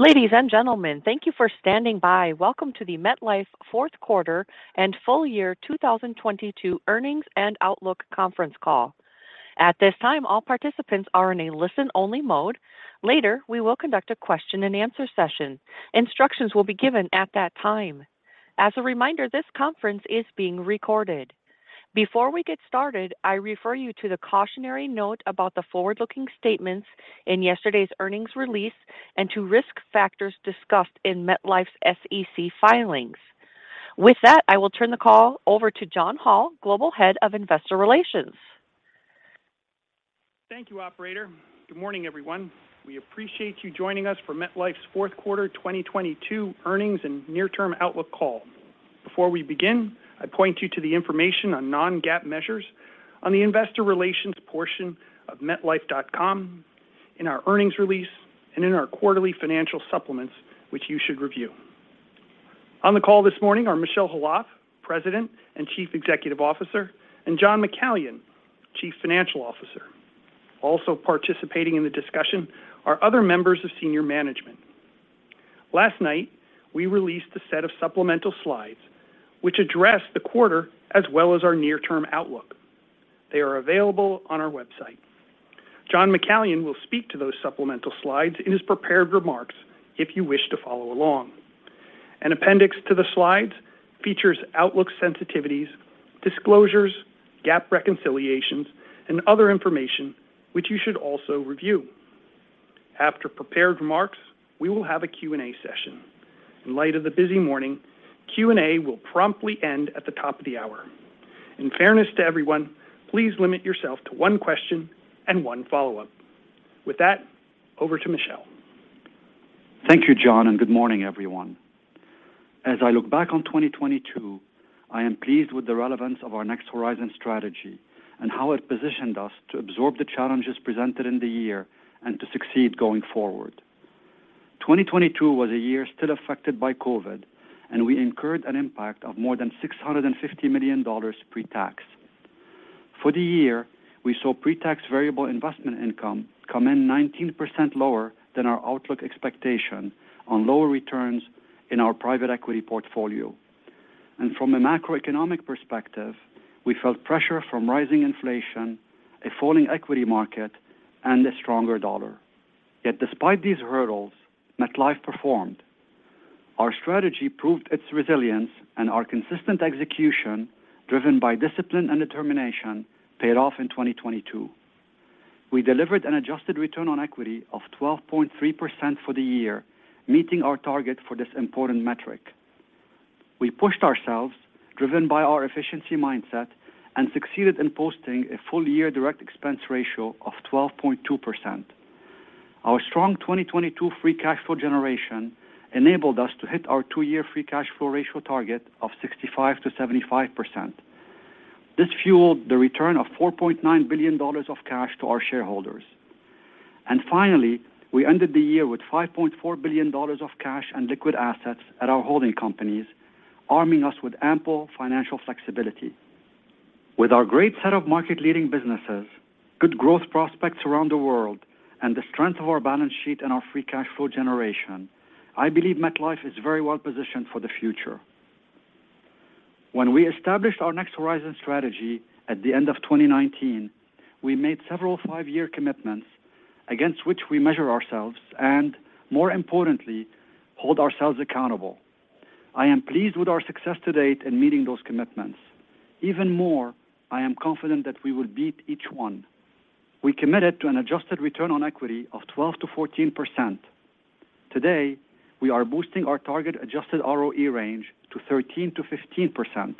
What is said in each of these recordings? Ladies and gentlemen, thank you for standing by. Welcome to the MetLife fourth quarter and full year 2022 earnings and outlook conference call. At this time, all participants are in a listen-only mode. Later, we will conduct a Q&A session. Instructions will be given at that time. As a reminder, this conference is being recorded. Before we get started, I refer you to the cautionary note about the forward-looking statements in yesterday's earnings release and to risk factors discussed in MetLife's SEC filings. With that, I will turn the call over to John Hall, Global Head of Investor Relations. Thank you, operator. Good morning, everyone. We appreciate you joining us for MetLife's fourth quarter 2022 earnings and near-term outlook call. Before we begin, I point you to the information on non-GAAP measures on the investor relations portion of MetLife.com in our earnings release and in our quarterly financial supplements, which you should review. On the call this morning are Michel Khalaf, President and Chief Executive Officer, and John McCallion, Chief Financial Officer. Also participating in the discussion are other members of senior management. Last night, we released a set of supplemental slides which address the quarter as well as our near-term outlook. They are available on our website. John McCallion will speak to those supplemental slides in his prepared remarks if you wish to follow along. An appendix to the slides features outlook sensitivities, disclosures, GAAP reconciliations, and other information which you should also review. After prepared remarks, we will have a Q&A session. In light of the busy morning, Q&A will promptly end at the top of the hour. In fairness to everyone, please limit yourself to one question and one follow-up. With that, over to Michel. Thank you, John. Good morning, everyone. As I look back on 2022, I am pleased with the relevance of our Next Horizon strategy and how it positioned us to absorb the challenges presented in the year and to succeed going forward. 2022 was a year still affected by COVID, we incurred an impact of more than $650 million pre-tax. For the year, we saw pre-tax variable investment income come in 19% lower than our outlook expectation on lower returns in our private equity portfolio. From a macroeconomic perspective, we felt pressure from rising inflation, a falling equity market, and a stronger dollar. Despite these hurdles, MetLife performed. Our strategy proved its resilience and our consistent execution, driven by discipline and determination, paid off in 2022. We delivered an adjusted return on equity of 12.3% for the year, meeting our target for this important metric. We pushed ourselves, driven by our efficiency mindset, and succeeded in posting a full-year direct expense ratio of 12.2%. Our strong 2022 free cash flow generation enabled us to hit our two-year free cash flow ratio target of 65%-75%. This fueled the return of $4.9 billion of cash to our shareholders. Finally, we ended the year with $5.4 billion of cash and liquid assets at our holding companies, arming us with ample financial flexibility. With our great set of market-leading businesses, good growth prospects around the world, and the strength of our balance sheet and our free cash flow generation, I believe MetLife is very well positioned for the future. When we established our Next Horizon strategy at the end of 2019, we made several five-year commitments against which we measure ourselves and, more importantly, hold ourselves accountable. I am pleased with our success to date in meeting those commitments. Even more, I am confident that we will beat each one. We committed to an adjusted return on equity of 12%-14%. Today, we are boosting our target adjusted ROE range to 13%-15%.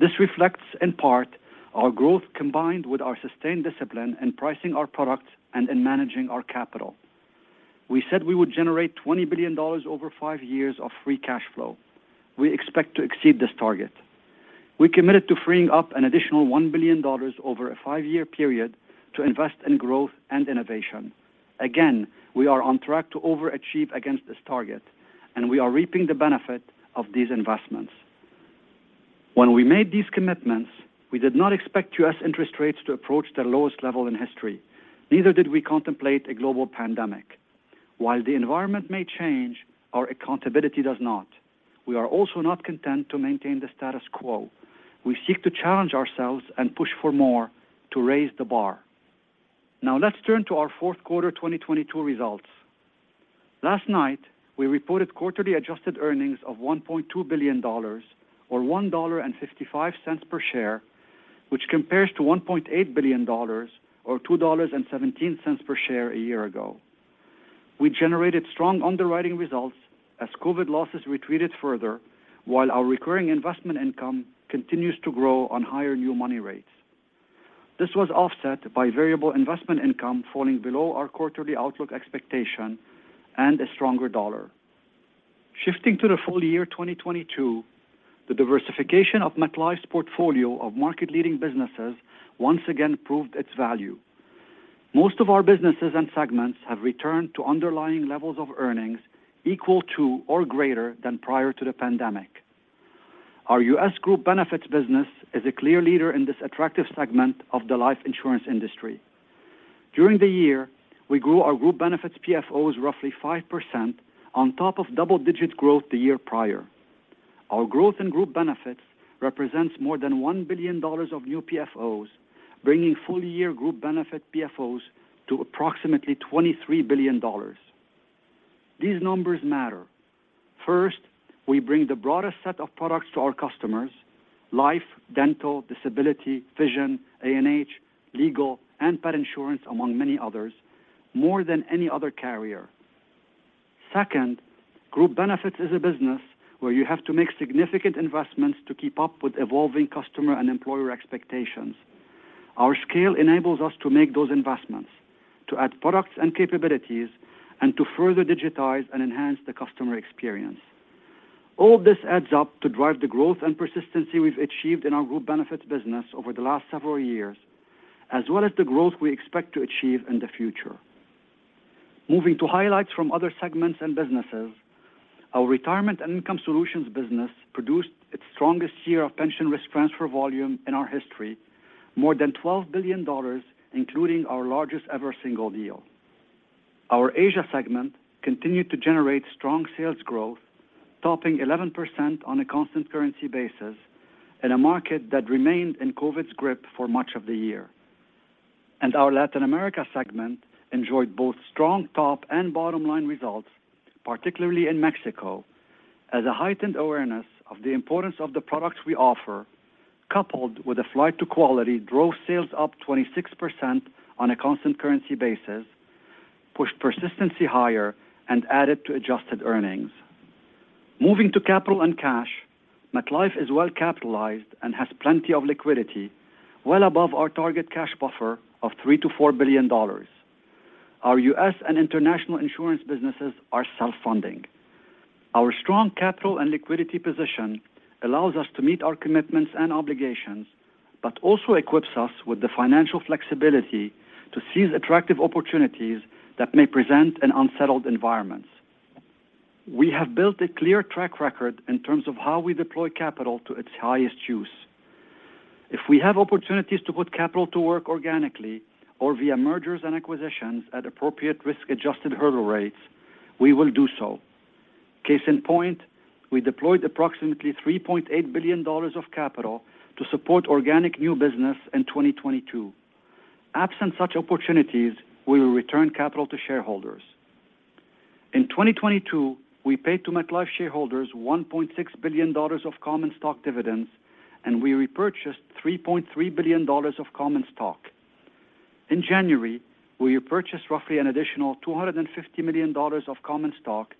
This reflects, in part, our growth combined with our sustained discipline in pricing our products and in managing our capital. We said we would generate $20 billion over five years of free cash flow. We expect to exceed this target. We committed to freeing up an additional $1 billion over a five-year period to invest in growth and innovation. We are on track to overachieve against this target, and we are reaping the benefit of these investments. When we made these commitments, we did not expect U.S. interest rates to approach their lowest level in history. Neither did we contemplate a global pandemic. While the environment may change, our accountability does not. We are also not content to maintain the status quo. We seek to challenge ourselves and push for more to raise the bar. Let's turn to our fourth quarter 2022 results. Last night, we reported quarterly adjusted earnings of $1.2 billion or $1.55 per share, which compares to $1.8 billion or $2.17 per share a year ago. We generated strong underwriting results as COVID losses retreated further, while our recurring investment income continues to grow on higher new money rates. This was offset by variable investment income falling below our quarterly outlook expectation and a stronger dollar. Shifting to the full year 2022, the diversification of MetLife's portfolio of market-leading businesses once again proved its value. Most of our businesses and segments have returned to underlying levels of earnings equal to or greater than prior to the pandemic. Our U.S. Group Benefits business is a clear leader in this attractive segment of the life insurance industry. During the year, we grew our Group Benefits PFOs roughly 5% on top of double-digit growth the year prior. Our growth in Group Benefits represents more than $1 billion of new PFOs, bringing full-year Group Benefit PFOs to approximately $23 billion. These numbers matter. First, we bring the broadest set of products to our customers, life, dental, disability, vision, A&H, legal, and pet insurance, among many others, more than any other carrier. Second, Group Benefits is a business where you have to make significant investments to keep up with evolving customer and employer expectations. Our scale enables us to make those investments, to add products and capabilities, and to further digitize and enhance the customer experience. All this adds up to drive the growth and persistency we've achieved in our Group Benefits business over the last several years, as well as the growth we expect to achieve in the future. Moving to highlights from other segments and businesses, our Retirement & Income Solutions business produced its strongest year of pension risk transfer volume in our history, more than $12 billion, including our largest-ever single deal. Our Asia segment continued to generate strong sales growth, topping 11% on a constant currency basis in a market that remained in COVID's grip for much of the year. Our Latin America segment enjoyed both strong top and bottom-line results, particularly in Mexico, as a heightened awareness of the importance of the products we offer, coupled with a flight to quality, drove sales up 26% on a constant currency basis, pushed persistency higher, and added to adjusted earnings. Moving to capital and cash, MetLife is well-capitalized and has plenty of liquidity, well above our target cash buffer of $3 billion-$4 billion. Our U.S. and international insurance businesses are self-funding. Our strong capital and liquidity position allows us to meet our commitments and obligations, but also equips us with the financial flexibility to seize attractive opportunities that may present in unsettled environments. We have built a clear track record in terms of how we deploy capital to its highest use. If we have opportunities to put capital to work organically or via mergers and acquisitions at appropriate risk-adjusted hurdle rates, we will do so. Case in point, we deployed approximately $3.8 billion of capital to support organic new business in 2022. Absent such opportunities, we will return capital to shareholders. In 2022, we paid to MetLife shareholders $1.6 billion of common stock dividends, and we repurchased $3.3 billion of common stock. In January, we repurchased roughly an additional $250 million of common stock,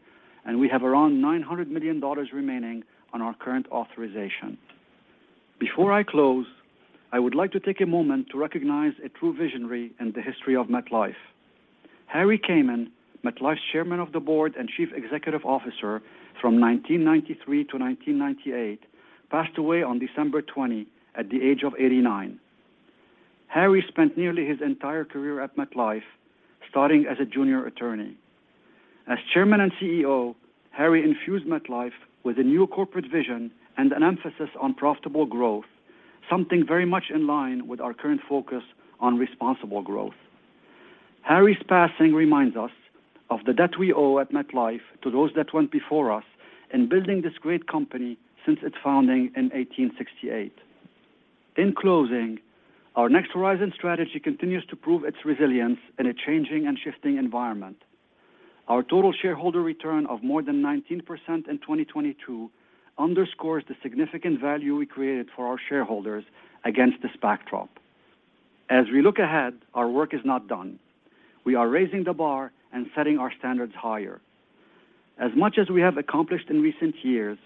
and we have around $900 million remaining on our current authorization. Before I close, I would like to take a moment to recognize a true visionary in the history of MetLife. Harry Kamen, MetLife's Chairman of the Board and Chief Executive Officer from 1993 to 1998, passed away on December 20 at the age of 89. Harry spent nearly his entire career at MetLife, starting as a junior attorney. As Chairman and CEO, Harry infused MetLife with a new corporate vision and an emphasis on profitable growth, something very much in line with our current focus on responsible growth. Harry's passing reminds us of the debt we owe at MetLife to those that went before us in building this great company since its founding in 1868. In closing, our Next Horizon strategy continues to prove its resilience in a changing and shifting environment. Our total shareholder return of more than 19% in 2022 underscores the significant value we created for our shareholders against this backdrop. As we look ahead, our work is not done. We are raising the bar and setting our standards higher. As much as we have accomplished in recent years,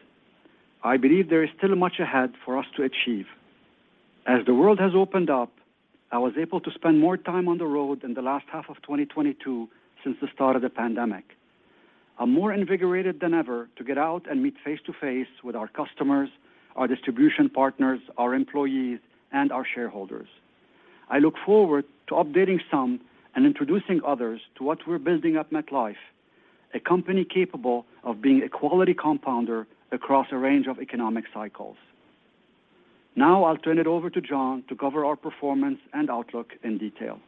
I believe there is still much ahead for us to achieve. As the world has opened up, I was able to spend more time on the road in the last half of 2022 since the start of the pandemic. I'm more invigorated than ever to get out and meet face to face with our customers, our distribution partners, our employees, and our shareholders. I look forward to updating some and introducing others to what we're building at MetLife, a company capable of being a quality compounder across a range of economic cycles. Now I'll turn it over to John to cover our performance and outlook in detail.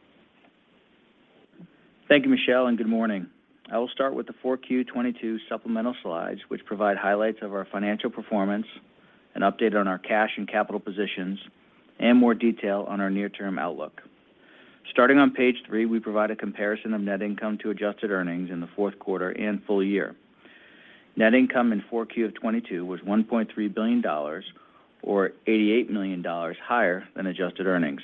Thank you, Michel, and good morning. I will start with the 4Q 2022 supplemental slides, which provide highlights of our financial performance, an update on our cash and capital positions, and more detail on our near-term outlook. Starting on page three, we provide a comparison of net income to adjusted earnings in the fourth quarter and full year. Net income in 4Q 2022 was $1.3 billion or $88 million higher than adjusted earnings.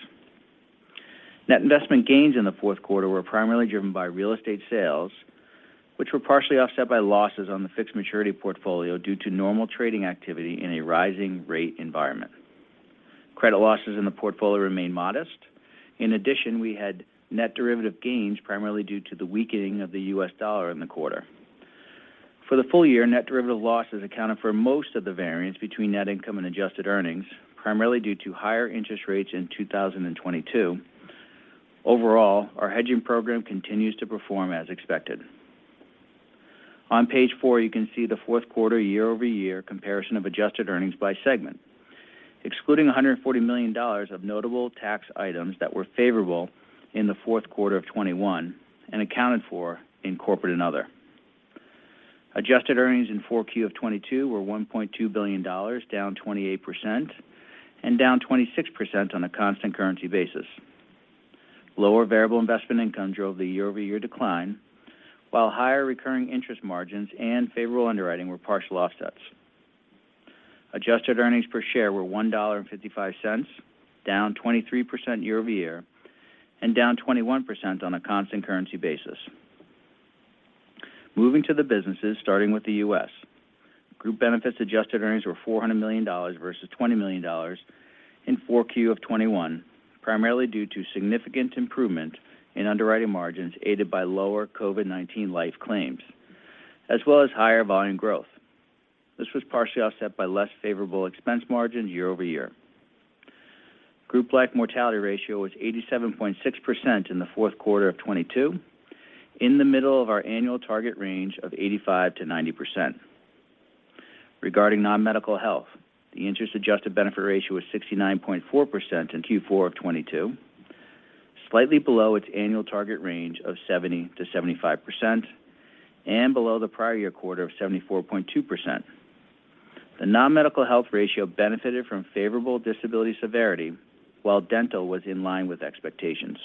Net investment gains in the fourth quarter were primarily driven by real estate sales, which were partially offset by losses on the fixed maturity portfolio due to normal trading activity in a rising rate environment. Credit losses in the portfolio remained modest. In addition, we had net derivative gains primarily due to the weakening of the US dollar in the quarter. For the full year, net derivative losses accounted for most of the variance between net income and adjusted earnings, primarily due to higher interest rates in 2022. Overall, our hedging program continues to perform as expected. On page four, you can see the fourth quarter year-over-year comparison of adjusted earnings by segment, excluding $140 million of notable tax items that were favorable in the fourth quarter of 2021 and accounted for in corporate and other. Adjusted earnings in 4Q of 2022 were $1.2 billion, down 28% and down 26% on a constant currency basis. Lower variable investment income drove the year-over-year decline, while higher recurring interest margins and favorable underwriting were partial offsets. Adjusted earnings per share were $1.55, down 23% year-over-year and down 21% on a constant currency basis. Moving to the U.S. Group Benefits adjusted earnings were $400 million versus $20 million in 4Q of 2021, primarily due to significant improvement in underwriting margins, aided by lower COVID-19 life claims, as well as higher volume growth. This was partially offset by less favorable expense margins year-over-year. Group Life mortality ratio was 87.6% in the fourth quarter of 2022, in the middle of our annual target range of 85%-90%. Regarding Non-Medical Health, the interest-adjusted benefit ratio was 69.4% in Q4 of 2022, slightly below its annual target range of 70%-75% and below the prior year quarter of 74.2%. The Non-Medical Health ratio benefited from favorable disability severity, while dental was in line with expectations.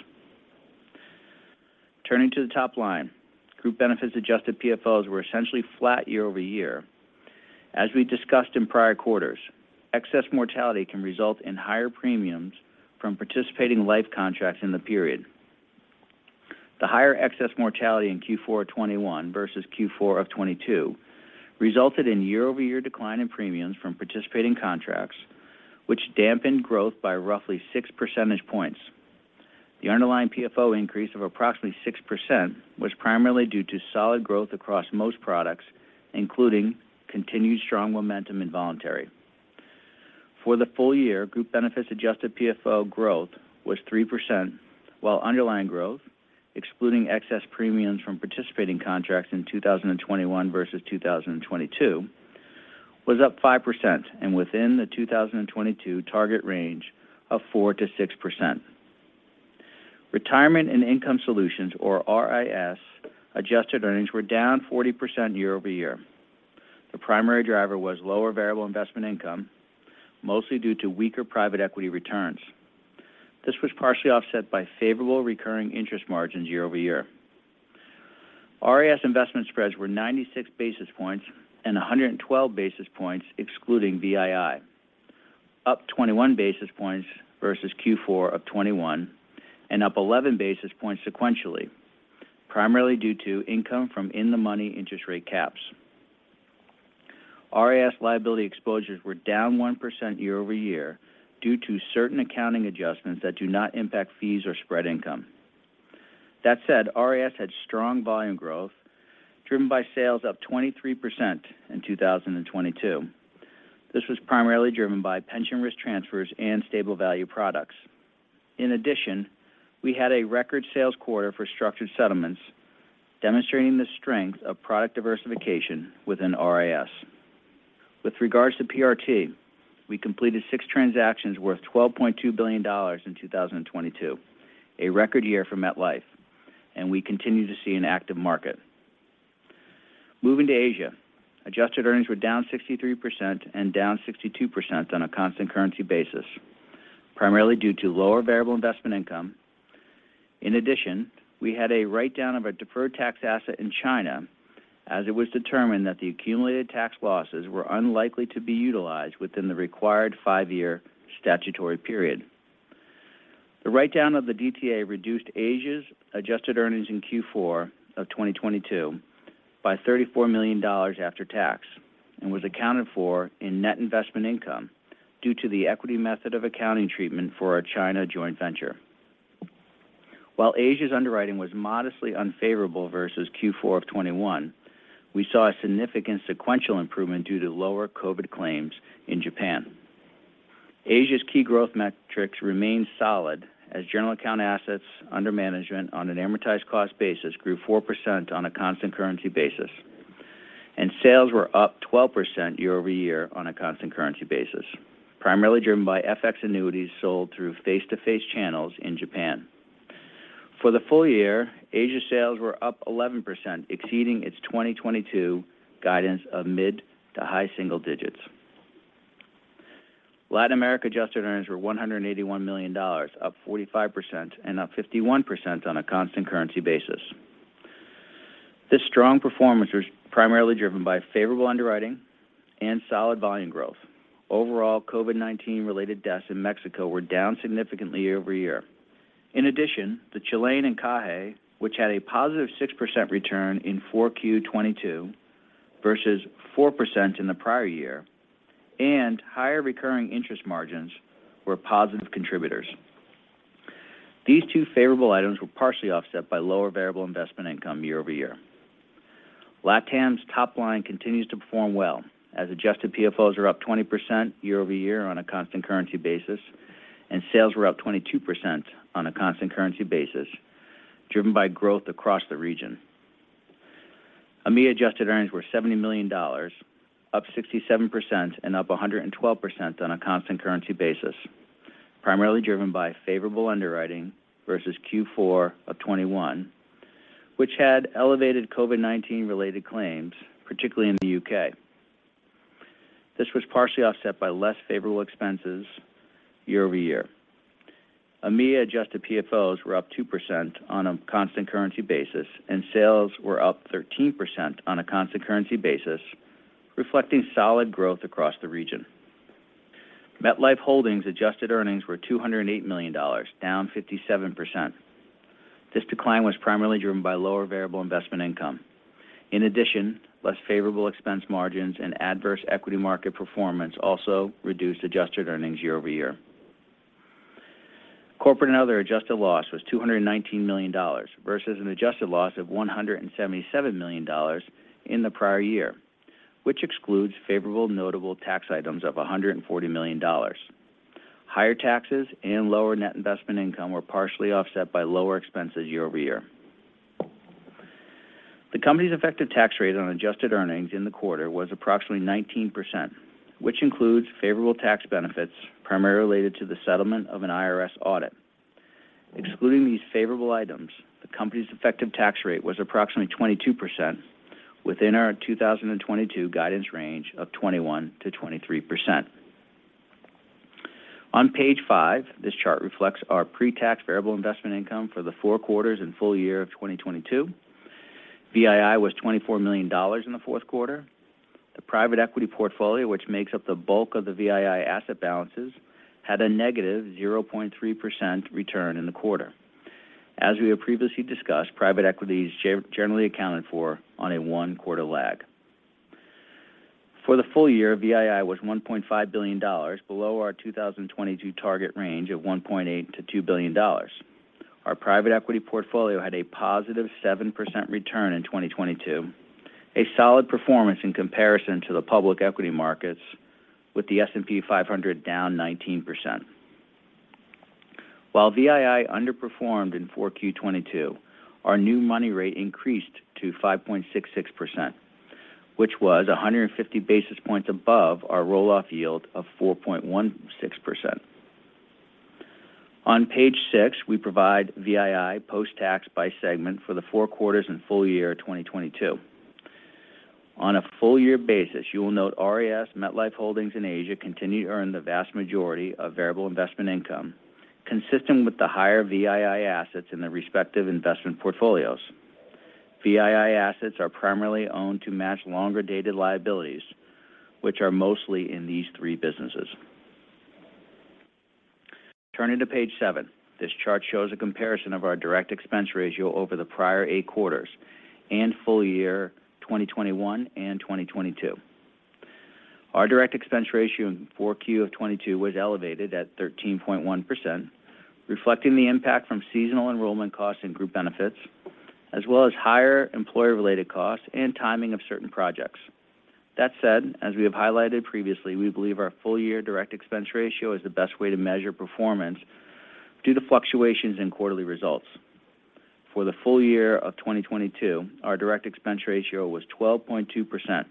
Turning to the top line, Group Benefits adjusted PFOs were essentially flat year-over-year. As we discussed in prior quarters, excess mortality can result in higher premiums from participating life contracts in the period. The higher excess mortality in Q4 of 2021 versus Q4 of 2022 resulted in year-over-year decline in premiums from participating contracts, which dampened growth by roughly 6 percentage points. The underlying PFO increase of approximately 6% was primarily due to solid growth across most products, including continued strong momentum in voluntary. For the full year, Group Benefits adjusted PFO growth was 3%, while underlying growth, excluding excess premiums from participating contracts in 2021 versus 2022, was up 5% and within the 2022 target range of 4%-6%. Retirement and Income Solutions, or RIS, adjusted earnings were down 40% year-over-year. The primary driver was lower variable investment income, mostly due to weaker private equity returns. This was partially offset by favorable recurring interest margins year-over-year. RIS investment spreads were 96 basis points and 112 basis points excluding VII, up 21 basis points versus Q4 of 2021 and up 11 basis points sequentially, primarily due to income from in-the-money interest rate caps. RIS liability exposures were down 1% year-over-year due to certain accounting adjustments that do not impact fees or spread income. That said, RIS had strong volume growth driven by sales up 23% in 2022. This was primarily driven by pension risk transfers and stable value products. In addition, we had a record sales quarter for structured settlements, demonstrating the strength of product diversification within RIS. With regards to PRT, we completed six transactions worth $12.2 billion in 2022, a record year for MetLife, and we continue to see an active market. Moving to Asia, adjusted earnings were down 63% and down 62% on a constant currency basis, primarily due to lower variable investment income. We had a write-down of a deferred tax asset in China, as it was determined that the accumulated tax losses were unlikely to be utilized within the required five-year statutory period. The write-down of the DTA reduced Asia's adjusted earnings in Q4 of 2022 by $34 million after tax and was accounted for in net investment income due to the equity method of accounting treatment for our China joint venture. While Asia's underwriting was modestly unfavorable versus Q4 of 2021, we saw a significant sequential improvement due to lower COVID-19 claims in Japan. Asia's key growth metrics remained solid as general account assets under management on an amortized cost basis grew 4% on a constant currency basis, and sales were up 12% year-over-year on a constant currency basis, primarily driven by FX annuities sold through face-to-face channels in Japan. For the full year, Asia sales were up 11%, exceeding its 2022 guidance of mid to high single digits. Latin America adjusted earnings were $181 million, up 45% and up 51% on a constant currency basis. This strong performance was primarily driven by favorable underwriting and solid volume growth. Overall, COVID-19 related deaths in Mexico were down significantly year-over-year. In addition, the Chilean CAE, which had a positive 6% return in 4Q 2022 versus 4% in the prior year and higher recurring interest margins were positive contributors. These two favorable items were partially offset by lower variable investment income year-over-year. LatAm's top line continues to perform well as adjusted PFOs are up 20% year-over-year on a constant currency basis. Sales were up 22% on a constant currency basis, driven by growth across the region. AMEA adjusted earnings were $70 million, up 67% and up 112% on a constant currency basis, primarily driven by favorable underwriting versus Q4 2021, which had elevated COVID-19 related claims, particularly in the U.K. This was partially offset by less favorable expenses year-over-year. AMEA adjusted PFOs were up 2% on a constant currency basis. Sales were up 13% on a constant currency basis, reflecting solid growth across the region. MetLife Holdings adjusted earnings were $208 million, down 57%. This decline was primarily driven by lower variable investment income. In addition, less favorable expense margins and adverse equity market performance also reduced adjusted earnings year-over-year. Corporate and other adjusted loss was $219 million versus an adjusted loss of $177 million in the prior year, which excludes favorable notable tax items of $140 million. Higher taxes and lower net investment income were partially offset by lower expenses year-over-year. The company's effective tax rate on adjusted earnings in the quarter was approximately 19%, which includes favorable tax benefits primarily related to the settlement of an IRS audit. Excluding these favorable items, the company's effective tax rate was approximately 22% within our 2022 guidance range of 21%-23%. On page five, this chart reflects our pre-tax variable investment income for the four quarters and full year of 2022. VII was $24 million in the fourth quarter. The private equity portfolio, which makes up the bulk of the VII asset balances, had a negative 0.3% return in the quarter. As we have previously discussed, private equity is generally accounted for on a one quarter lag. For the full year, VII was $1.5 billion below our 2022 target range of $1.8 billion-$2 billion. Our private equity portfolio had a positive 7% return in 2022, a solid performance in comparison to the public equity markets with the S&P 500 down 19%. While VII underperformed in 4Q 2022, our new money rate increased to 5.66%, which was 150 basis points above our roll off yield of 4.16%. On page six, we provide VII post-tax by segment for the four quarters and full year 2022. On a full year basis, you will note RIS MetLife Holdings in Asia continue to earn the vast majority of variable investment income consistent with the higher VII assets in the respective investment portfolios. VII assets are primarily owned to match longer dated liabilities, which are mostly in these three businesses. Turning to page seven. This chart shows a comparison of our direct expense ratio over the prior eight quarters and full year 2021 and 2022. Our direct expense ratio in 4Q of 2022 was elevated at 13.1%, reflecting the impact from seasonal enrollment costs and Group Benefits, as well as higher employer-related costs and timing of certain projects. That said, as we have highlighted previously, we believe our full year direct expense ratio is the best way to measure performance due to fluctuations in quarterly results. For the full year of 2022, our direct expense ratio was 12.2%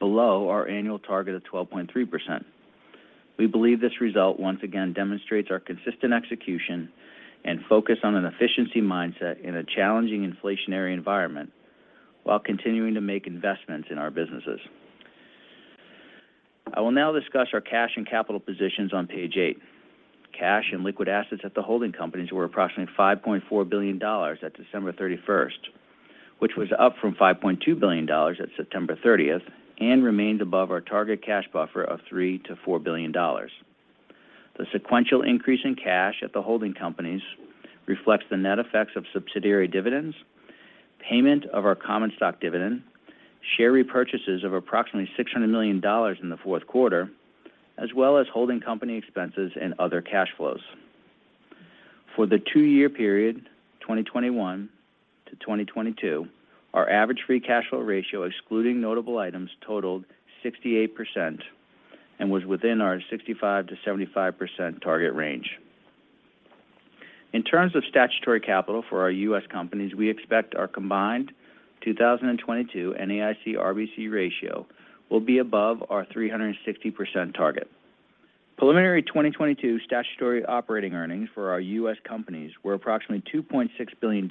below our annual target of 12.3%. We believe this result once again demonstrates our consistent execution and focus on an efficiency mindset in a challenging inflationary environment while continuing to make investments in our businesses. I will now discuss our cash and capital positions on page eight. Cash and liquid assets at the holding companies were approximately $5.4 billion at December 31st, which was up from $5.2 billion at September 30th and remained above our target cash buffer of $3 billion-$4 billion. The sequential increase in cash at the holding companies reflects the net effects of subsidiary dividends, payment of our common stock dividend, share repurchases of approximately $600 million in the fourth quarter, as well as holding company expenses and other cash flows. For the two-year period, 2021 to 2022, our average free cash flow ratio, excluding notable items totaled 68% and was within our 65%-75% target range. In terms of statutory capital for our U.S. companies, we expect our combined 2022 NAIC RBC ratio will be above our 360% target. Preliminary 2022 statutory operating earnings for our U.S. companies were approximately $2.6 billion,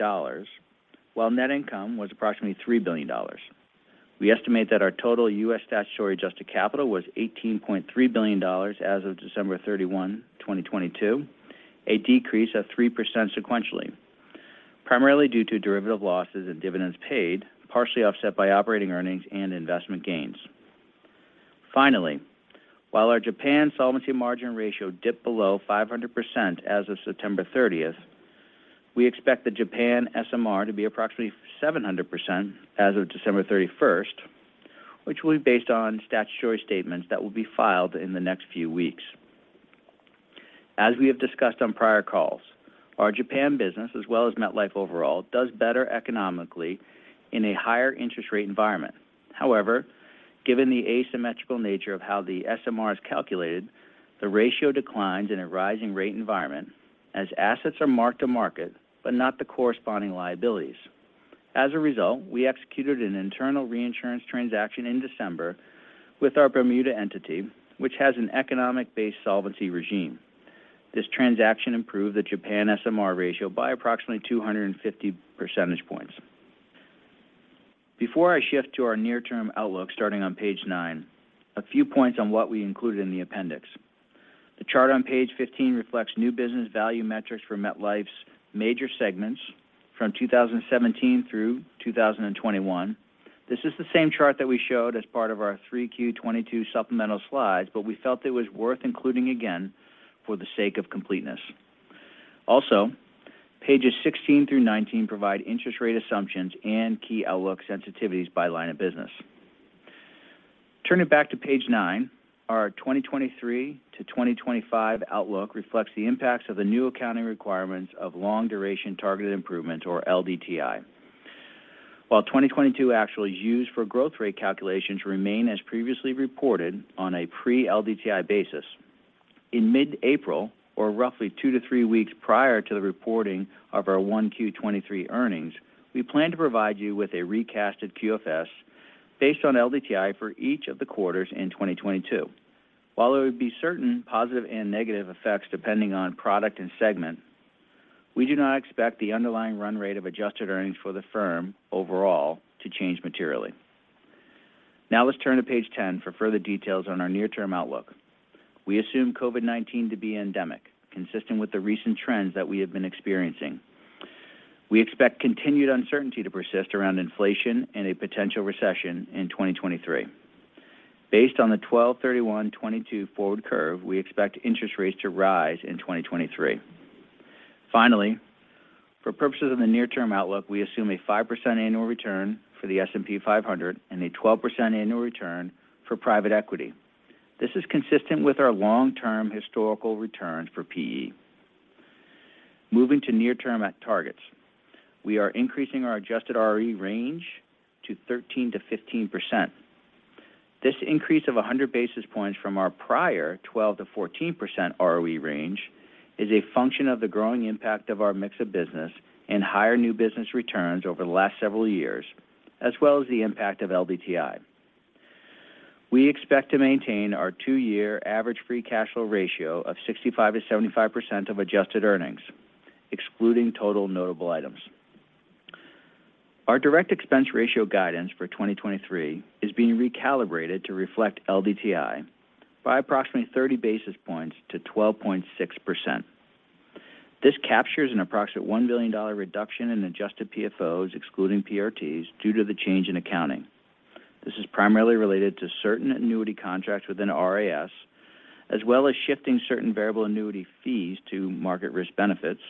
while net income was approximately $3 billion. We estimate that our total U.S. statutory adjusted capital was $18.3 billion as of December 31, 2022, a decrease of 3% sequentially, primarily due to derivative losses and dividends paid, partially offset by operating earnings and investment gains. Finally, while our Japan solvency margin ratio dipped below 500% as of September 30th, we expect the Japan SMR to be approximately 700% as of December 31st, which will be based on statutory statements that will be filed in the next few weeks. As we have discussed on prior calls. Our Japan business, as well as MetLife overall, does better economically in a higher interest rate environment. However, given the asymmetrical nature of how the SMR is calculated, the ratio declines in a rising rate environment as assets are marked to market but not the corresponding liabilities. As a result, we executed an internal reinsurance transaction in December with our Bermuda entity, which has an economic-based solvency regime. This transaction improved the Japan SMR ratio by approximately 250 percentage points. Before I shift to our near-term outlook starting on page nine, a few points on what we included in the appendix. The chart on page 15 reflects new business value metrics for MetLife's major segments from 2017 through 2021. This is the same chart that we showed as part of our 3Q22 supplemental slides, but we felt it was worth including again for the sake of completeness. Pages 16 through 19 provide interest rate assumptions and key outlook sensitivities by line of business. Turning back to page nine, our 2023 to 2025 outlook reflects the impacts of the new accounting requirements of Long-Duration Targeted Improvements or LDTI. 2022 actuals used for growth rate calculations remain as previously reported on a pre-LDTI basis, in mid-April or roughly two to three weeks prior to the reporting of our 1Q 2023 earnings, we plan to provide you with a re-casted QFS based on LDTI for each of the quarters in 2022. There would be certain positive and negative effects depending on product and segment, we do not expect the underlying run rate of adjusted earnings for the firm overall to change materially. Let's turn to page 10 for further details on our near-term outlook. We assume COVID-19 to be endemic, consistent with the recent trends that we have been experiencing. We expect continued uncertainty to persist around inflation and a potential recession in 2023. Based on the 12/31/2022 forward curve, we expect interest rates to rise in 2023. Finally, for purposes of the near-term outlook, we assume a 5% annual return for the S&P 500 and a 12% annual return for private equity. This is consistent with our long-term historical returns for PE. Moving to near-term at targets, we are increasing our adjusted ROE range to 13%-15%. This increase of 100 basis points from our prior 12%-14% ROE range is a function of the growing impact of our mix of business and higher new business returns over the last several years, as well as the impact of LDTI. We expect to maintain our two-year average free cash flow ratio of 65%-75% of adjusted earnings, excluding total notable items. Our direct expense ratio guidance for 2023 is being recalibrated to reflect LDTI by approximately 30 basis points to 12.6%. This captures an approximate $1 billion reduction in adjusted PFOs, excluding PRTs, due to the change in accounting. This is primarily related to certain annuity contracts within RIS, as well as shifting certain variable annuity fees to market risk benefits,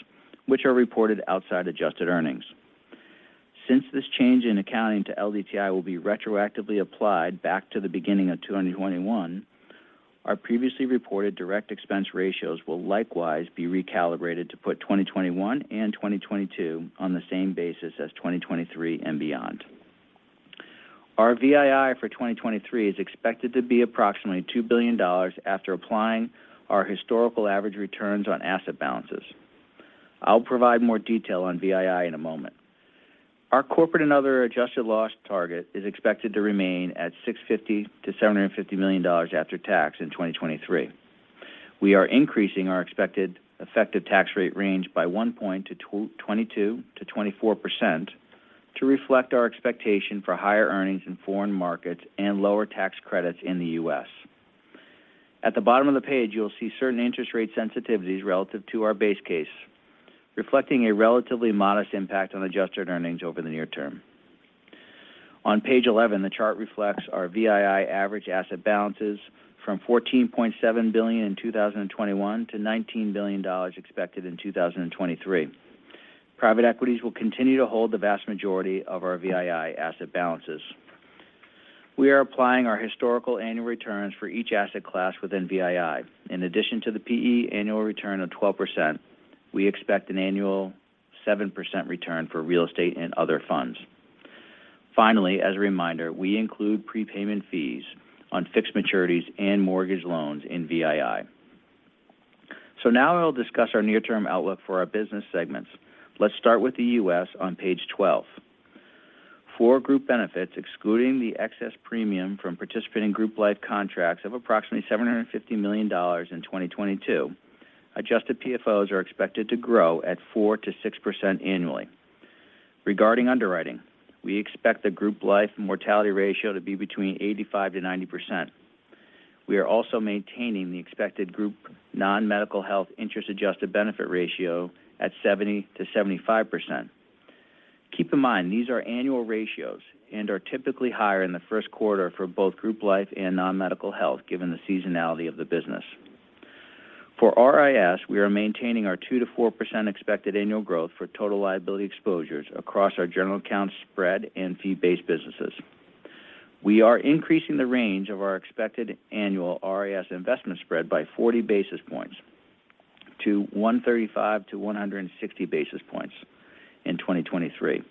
which are reported outside adjusted earnings. Since this change in accounting to LDTI will be retroactively applied back to the beginning of 2021, our previously reported direct expense ratios will likewise be recalibrated to put 2021 and 2022 on the same basis as 2023 and beyond. Our VII for 2023 is expected to be approximately $2 billion after applying our historical average returns on asset balances. I'll provide more detail on VII in a moment. Our corporate and other adjusted loss target is expected to remain at $650 million-$750 million after tax in 2023. We are increasing our expected effective tax rate range by 1 point to 22%-24% to reflect our expectation for higher earnings in foreign markets and lower tax credits in the U.S. At the bottom of the page, you'll see certain interest rate sensitivities relative to our base case, reflecting a relatively modest impact on adjusted earnings over the near term. On page 11, the chart reflects our VII average asset balances from $14.7 billion in 2021 to $19 billion expected in 2023. Private equities will continue to hold the vast majority of our VII asset balances. We are applying our historical annual returns for each asset class within VII. In addition to the PE annual return of 12%, we expect an annual 7% return for real estate and other funds. As a reminder, we include prepayment fees on fixed maturities and mortgage loans in VII. Now I'll discuss our near-term outlook for our business segments. Let's start with the U.S. on page 12. For Group Benefits, excluding the excess premium from participating group life contracts of approximately $750 million in 2022, adjusted PFOs are expected to grow at 4%-6% annually. Regarding underwriting, we expect the group life mortality ratio to be between 85%-90%. We are also maintaining the expected group non-medical health interest adjusted benefit ratio at 70%-75%. Keep in mind, these are annual ratios and are typically higher in the first quarter for both group life and non-medical health, given the seasonality of the business. For RIS, we are maintaining our 2%-4% expected annual growth for total liability exposures across our general account spread and fee-based businesses. We are increasing the range of our expected annual RAS investment spread by 40 basis points to 135-160 basis points in 2023.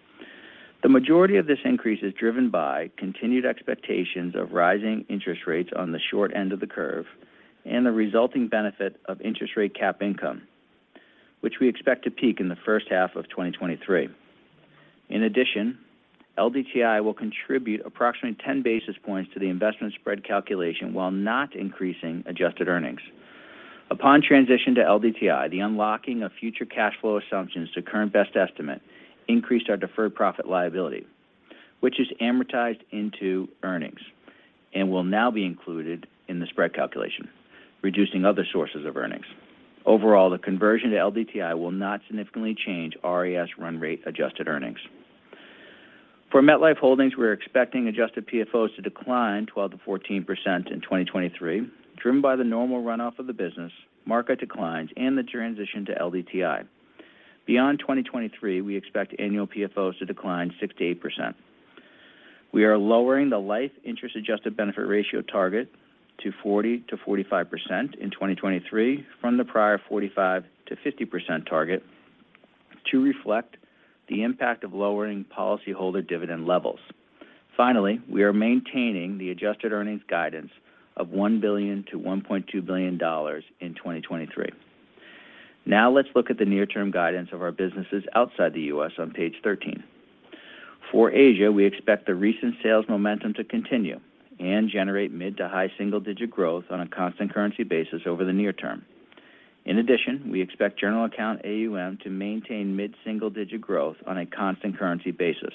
The majority of this increase is driven by continued expectations of rising interest rates on the short end of the curve and the resulting benefit of interest rate cap income, which we expect to peak in the first half of 2023. In addition, LDTI will contribute approximately 10 basis points to the investment spread calculation while not increasing adjusted earnings. Upon transition to LDTI, the unlocking of future cash flow assumptions to current best estimate increased our deferred profit liability, which is amortized into earnings and will now be included in the spread calculation, reducing other sources of earnings. Overall, the conversion to LDTI will not significantly change RAS run rate adjusted earnings. For MetLife Holdings, we are expecting adjusted PFOs to decline 12%-14% in 2023, driven by the normal runoff of the business, market declines, and the transition to LDTI. Beyond 2023, we expect annual PFOs to decline 6%-8%. We are lowering the life interest adjusted benefit ratio target to 40%-45% in 2023 from the prior 45%-50% target to reflect the impact of lowering policyholder dividend levels. Finally, we are maintaining the adjusted earnings guidance of $1 billion-$1.2 billion in 2023. Now let's look at the near-term guidance of our businesses outside the U.S. on page 13. For Asia, we expect the recent sales momentum to continue and generate mid to high single-digit growth on a constant currency basis over the near term. In addition, we expect general account AUM to maintain mid single-digit growth on a constant currency basis.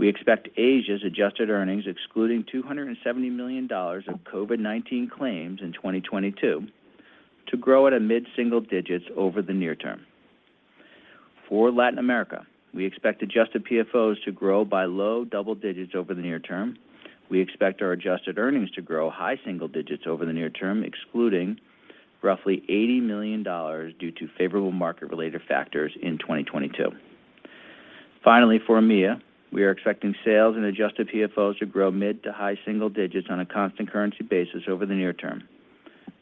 We expect Asia's adjusted earnings, excluding $270 million of COVID-19 claims in 2022, to grow at a mid single digits over the near term. For Latin America, we expect adjusted PFOs to grow by low double digits over the near term. We expect our adjusted earnings to grow high single digits over the near term, excluding roughly $80 million due to favorable market-related factors in 2022. For AMEA, we are expecting sales and adjusted PFOs to grow mid-to-high single digits on a constant currency basis over the near term.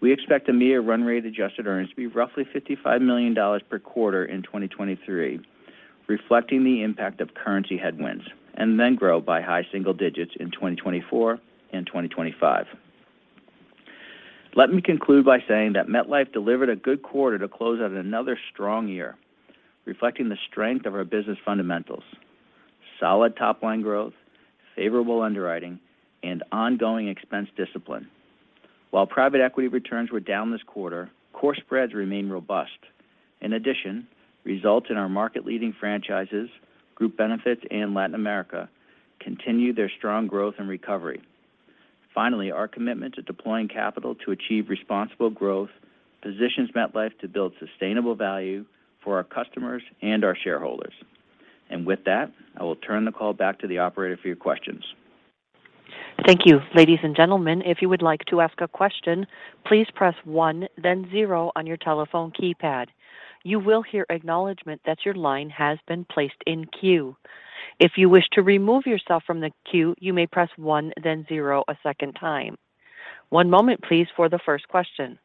We expect AMEA run-rate adjusted earnings to be roughly $55 million per quarter in 2023, reflecting the impact of currency headwinds, grow by high single digits in 2024 and 2025. Let me conclude by saying that MetLife delivered a good quarter to close out another strong year, reflecting the strength of our business fundamentals, solid top-line growth, favorable underwriting, and ongoing expense discipline. While private equity returns were down this quarter, core spreads remain robust. In addition, results in our market-leading franchises, Group Benefits and Latin America, continue their strong growth and recovery. Finally, our commitment to deploying capital to achieve responsible growth positions MetLife to build sustainable value for our customers and our shareholders. With that, I will turn the call back to the operator for your questions. Thank you. Ladies and gentlemen, if you would like to ask a question, please press one, then zero on your telephone keypad. You will hear acknowledgment that your line has been placed in queue. If you wish to remove yourself from the queue, you may press one, then zero a second time. One moment, please, for the first question.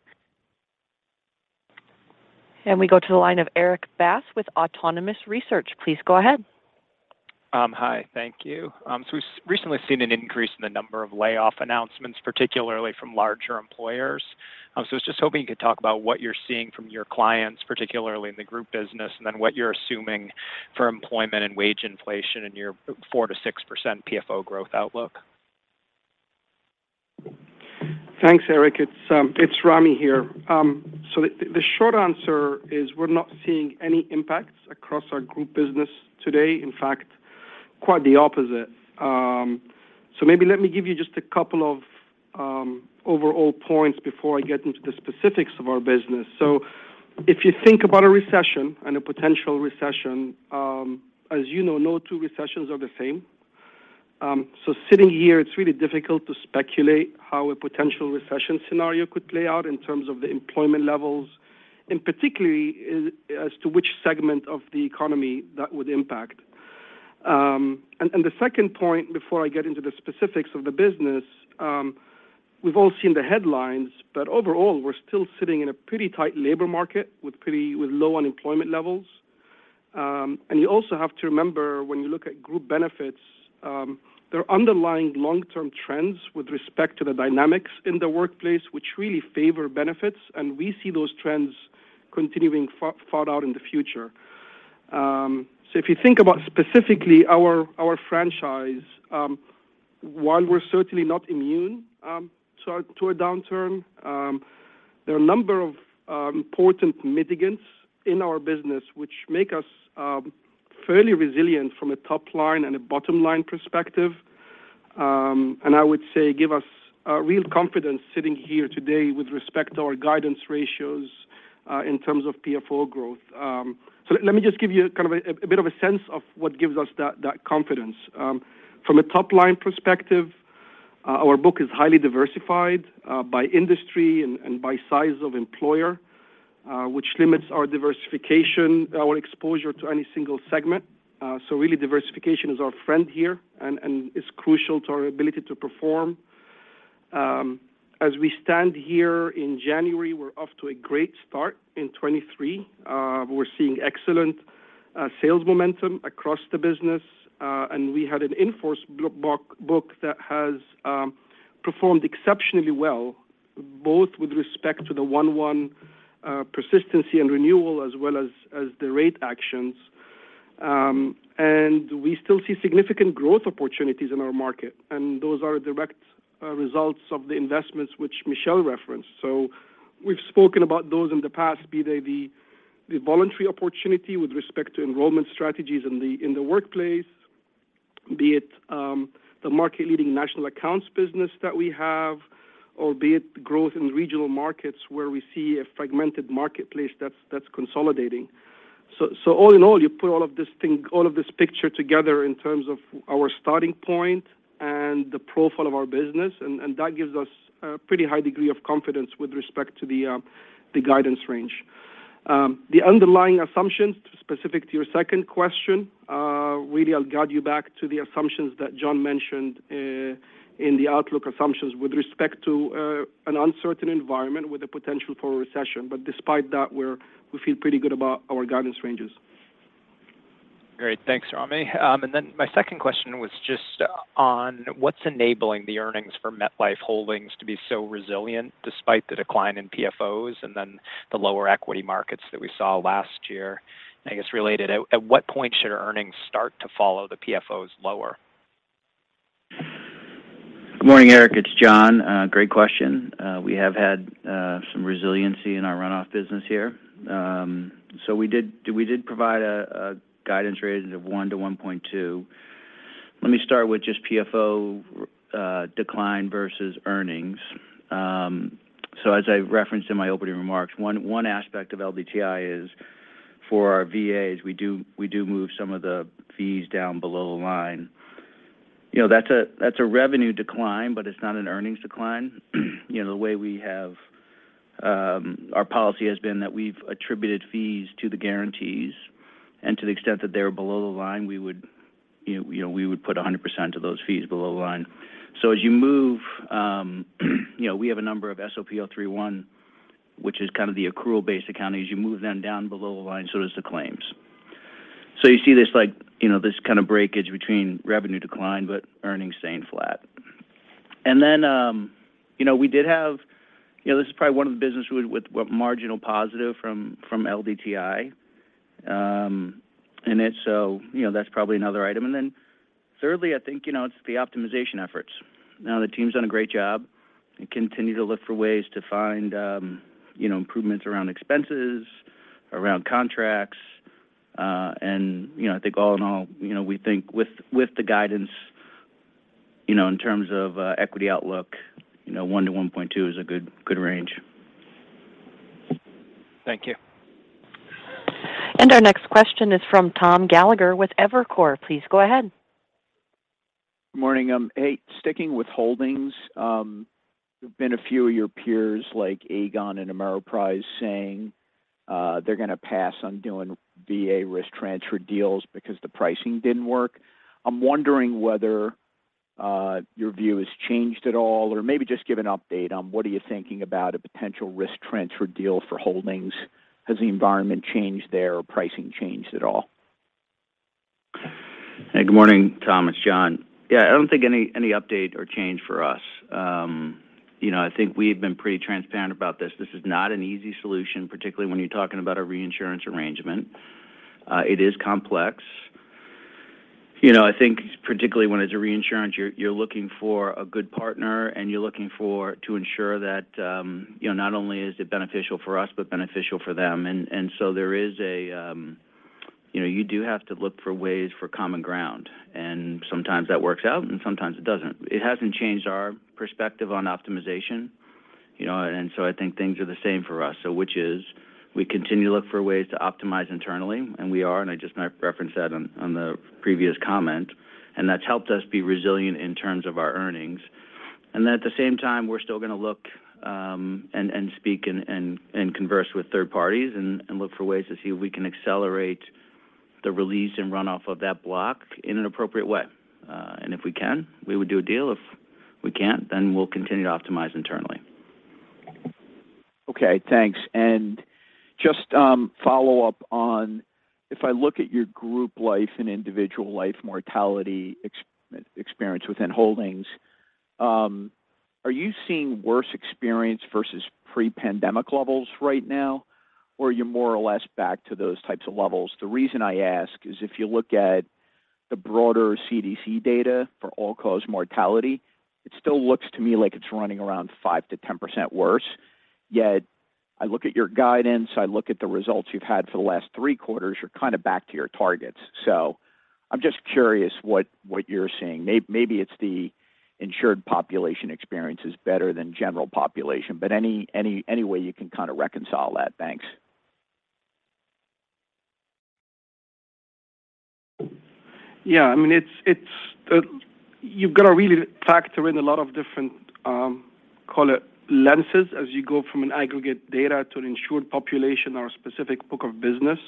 We go to the line of Erik Bass with Autonomous Research. Please go ahead. Hi. Thank you. We've recently seen an increase in the number of layoff announcements, particularly from larger employers. I was just hoping you could talk about what you're seeing from your clients, particularly in the Group business, and then what you're assuming for employment and wage inflation in your 4%-6% PFO growth outlook. Thanks, Erik. It's, it's Ramy here. The short answer is we're not seeing any impacts across our Group business today. In fact, quite the opposite. Maybe let me give you just a couple of overall points before I get into the specifics of our business. If you think about a recession and a potential recession, as you know, no two recessions are the same. The second point, before I get into the specifics of the business, we've all seen the headlines, but overall, we're still sitting in a pretty tight labor market with low unemployment levels. You also have to remember when you look at Group Benefits, there are underlying long-term trends with respect to the dynamics in the workplace which really favor benefits, and we see those trends continuing far out in the future. If you think about specifically our franchise, while we're certainly not immune to a downturn, there are a number of important mitigants in our business which make us fairly resilient from a top-line and a bottom-line perspective, and I would say give us real confidence sitting here today with respect to our guidance ratios in terms of PFO growth. Let me just give you kind of a bit of a sense of what gives us that confidence. From a top-line perspective. Our book is highly diversified, by industry and by size of employer, which limits our diversification, our exposure to any single segment. Really diversification is our friend here and is crucial to our ability to perform. As we stand here in January, we're off to a great start in 2023. We're seeing excellent sales momentum across the business. We had an in-force book that has performed exceptionally well, both with respect to the 1/1 persistency and renewal as well as the rate actions. We still see significant growth opportunities in our market, and those are direct results of the investments which Michel referenced. We've spoken about those in the past, be they the voluntary opportunity with respect to enrollment strategies in the, in the workplace, be it, the market-leading national accounts business that we have, or be it growth in regional markets where we see a fragmented marketplace that's consolidating. All in all, you put all of this picture together in terms of our starting point and the profile of our business, and that gives us a pretty high degree of confidence with respect to the guidance range. The underlying assumptions, specific to your second question, really I'll guide you back to the assumptions that John mentioned in the outlook assumptions with respect to an uncertain environment with the potential for a recession. Despite that, we feel pretty good about our guidance ranges. Great. Thanks, Ramy. My second question was just on what's enabling the earnings for MetLife Holdings to be so resilient despite the decline in PFOs and then the lower equity markets that we saw last year? I guess related, at what point should earnings start to follow the PFOs lower? Good morning, Erik. It's John. Great question. We have had some resiliency in our runoff business here. We did provide a guidance range of 1-1.2. Let me start with just PFO decline versus earnings. As I referenced in my opening remarks, one aspect of GIS is for our VAs. We do move some of the fees down below the line. You know, that's a revenue decline, but it's not an earnings decline. You know, the way we have. Our policy has been that we've attributed fees to the guarantees, and to the extent that they're below the line, we would, you know, we would put 100% of those fees below the line. As you move, you know, we have a number of SOP 03-1, which is kind of the accrual-based accounting. As you move them down below the line, so does the claims. You see this like, you know, this kind of breakage between revenue decline, but earnings staying flat. We did have, you know, this is probably one of the business with marginal positive from LDTI in it, so, you know, that's probably another item. Thirdly, I think, you know, it's the optimization efforts. You know, the team's done a great job and continue to look for ways to find, you know, improvements around expenses, around contracts. You know, I think all in all, you know, we think with the guidance, you know, in terms of equity outlook, you know, 1-1.2 is a good range. Thank you. Our next question is from Tom Gallagher with Evercore. Please go ahead. Morning. Hey, sticking with holdings, there have been a few of your peers like Aegon and Ameriprise saying, they're gonna pass on doing VA risk transfer deals because the pricing didn't work. I'm wondering whether your view has changed at all, or maybe just give an update on what are you thinking about a potential risk transfer deal for holdings. Has the environment changed there or pricing changed at all? Hey, good morning, Tom. It's John. Yeah, I don't think any update or change for us. You know, I think we've been pretty transparent about this. This is not an easy solution, particularly when you're talking about a reinsurance arrangement. It is complex. You know, I think particularly when it's a reinsurance, you're looking for a good partner and you're looking to ensure that, you know, not only is it beneficial for us, but beneficial for them. There is a. You know, you do have to look for ways for common ground, and sometimes that works out and sometimes it doesn't. It hasn't changed our perspective on optimization, you know, I think things are the same for us. Which is we continue to look for ways to optimize internally, and we are, and I just now referenced that on the previous comment, and that's helped us be resilient in terms of our earnings. At the same time, we're still gonna look and speak and converse with third parties and look for ways to see if we can accelerate the release and runoff of that block in an appropriate way. If we can, we would do a deal. If we can't, we'll continue to optimize internally. Okay, thanks. Just follow up on if I look at your group life and individual life mortality experience within holdings, are you seeing worse experience versus pre-pandemic levels right now, or are you more or less back to those types of levels? The reason I ask is if you look at the broader CDC data for all-cause mortality, it still looks to me like it's running around 5%-10% worse. I look at your guidance, I look at the results you've had for the last three quarters, you're kind of back to your targets. I'm just curious what you're seeing. Maybe it's the insured population experience is better than general population, but any way you can kind of reconcile that. Thanks. I mean, it's, you've gotta really factor in a lot of different, call it lenses as you go from an aggregate data to an insured population or a specific book of business.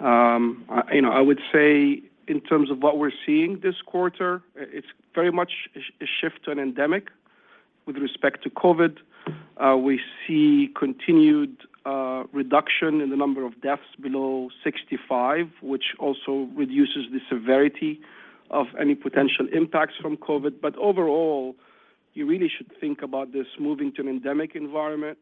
I would say in terms of what we're seeing this quarter, it's very much a shift to an endemic with respect to COVID. We see continued reduction in the number of deaths below 65, which also reduces the severity of any potential impacts from COVID. Overall, you really should think about this moving to an endemic environment,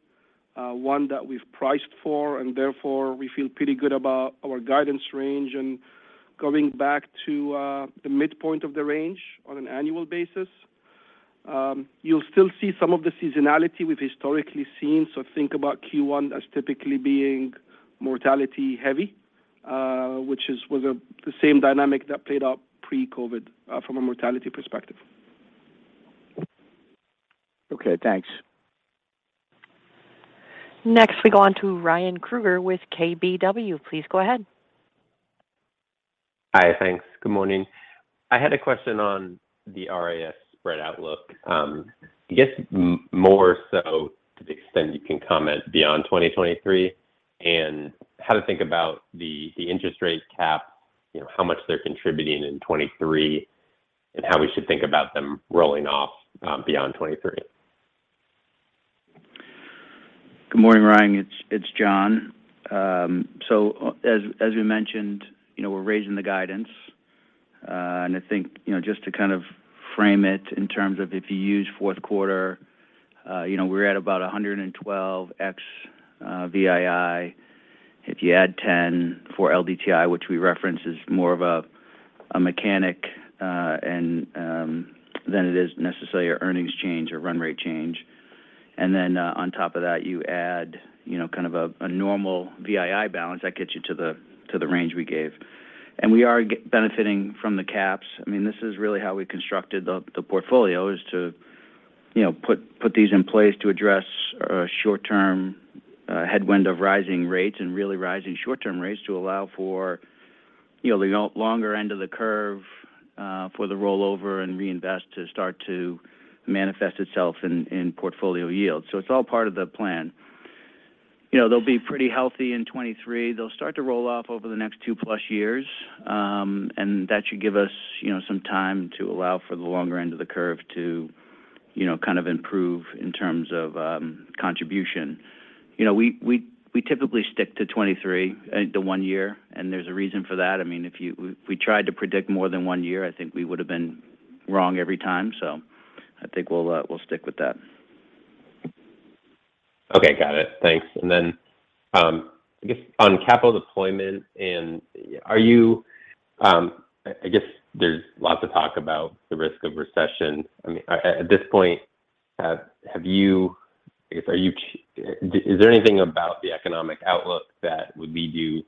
one that we've priced for, and therefore we feel pretty good about our guidance range. Going back to the midpoint of the range on an annual basis, you'll still see some of the seasonality we've historically seen. Think about Q1 as typically being mortality heavy, which was the same dynamic that played out pre-COVID from a mortality perspective. Okay, thanks. Next we go on to Ryan Krueger with KBW. Please go ahead. Hi. Thanks. Good morning. I had a question on the RIS spread outlook, I guess more so to the extent you can comment beyond 2023, and how to think about the interest rate cap, you know, how much they're contributing in 2023, and how we should think about them rolling off, beyond 2023. Good morning, Ryan. It's John. As we mentioned, you know, we're raising the guidance. I think, you know, just to kind of frame it in terms of if you use fourth quarter, you know, we're at about 112x VII. If you add 10 for LDTI, which we reference is more of a mechanic, and than it is necessarily an earnings change or run rate change. Then on top of that you add, you know, kind of a normal VII balance, that gets you to the range we gave. We are benefiting from the caps. I mean, this is really how we constructed the portfolio, is to, you know, put these in place to address a short term headwind of rising rates and really rising short-term rates to allow for, you know, the longer end of the curve, for the rollover and reinvest to start to manifest itself in portfolio yield. It's all part of the plan. You know, they'll be pretty healthy in 2023. They'll start to roll off over the next 2+ years. That should give us, you know, some time to allow for the longer end of the curve to, you know, kind of improve in terms of contribution. You know, we typically stick to 2023, the one year, and there's a reason for that. I mean, if we, if we tried to predict more than one year, I think we would've been wrong every time. I think we'll stick with that. Okay. Got it. Thanks. I guess on capital deployment. I guess there's lots of talk about the risk of recession. I mean, at this point, I guess, is there anything about the economic outlook that would lead you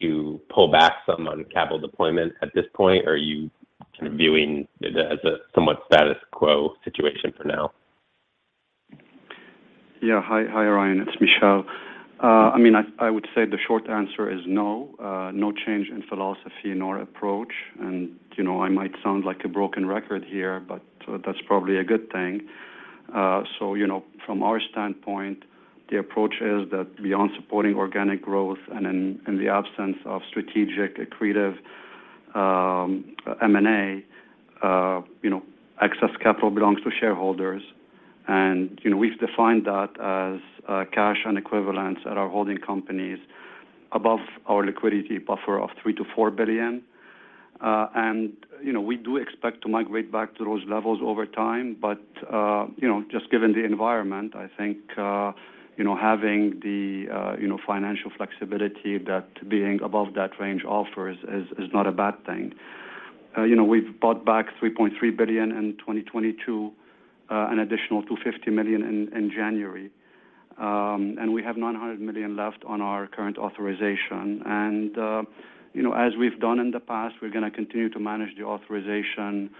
to pull back some on capital deployment at this point? Are you kind of viewing it as a somewhat status quo situation for now? Yeah. Hi, hi Ryan. It's Michel. I mean, I would say the short answer is no change in philosophy nor approach. You know, I might sound like a broken record here, but that's probably a good thing. You know, from our standpoint, the approach is that beyond supporting organic growth and in the absence of strategic accretive M&A, you know, excess capital belongs to shareholders. You know, we've defined that as cash and equivalents at our holding companies above our liquidity buffer of $3 billion-$4 billion. You know, we do expect to migrate back to those levels over time. You know, just given the environment, I think, you know, having the financial flexibility that being above that range offers is not a bad thing. You know, we've bought back $3.3 billion in 2022, an additional $250 million in January. We have $900 million left on our current authorization. You know, as we've done in the past, we're gonna continue to manage the authorization,